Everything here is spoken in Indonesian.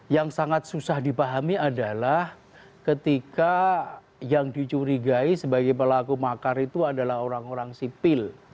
yang sangat susah dipahami adalah ketika yang dicurigai sebagai pelaku makar itu adalah orang orang sipil